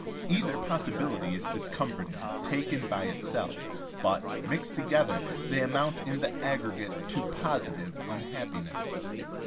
Either possibility is discomforting taken by itself, but, mixed together, they amount in the aggregate to positive unhappiness.